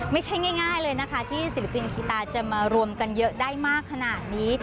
ไม่ใช่ง่ายเลยนะคะที่ศิลปินคีตาจะมารวมกันเยอะได้มากขนาดนี้